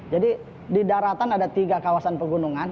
jadi di daratan ada tiga kawasan pegunungan